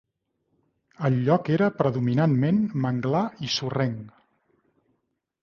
El lloc era predominantment manglar i sorrenc.